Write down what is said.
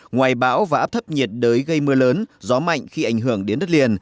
ngoài bão và áp thấp nhiệt đới gây mưa lớn gió mạnh khi ảnh hưởng đến đất liền